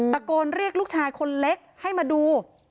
ตะโกนเรียกลูกชายคนเล็กให้มาดู